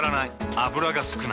油が少ない。